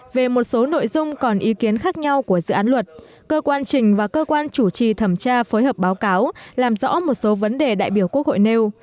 về một số nội dung còn ý kiến khác nhau của dự án luật cơ quan trình và cơ quan chủ trì thẩm tra phối hợp báo cáo làm rõ một số vấn đề đại biểu quốc hội nêu